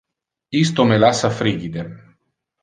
Isto me lassa frigide.